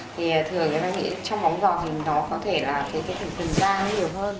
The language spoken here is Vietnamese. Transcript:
thì thường chúng ta nghĩ trong móng giò thì nó có thể là thực phẩm da nhiều hơn